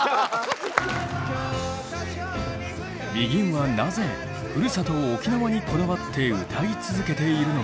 ＢＥＧＩＮはなぜふるさと沖縄にこだわって歌い続けているのか？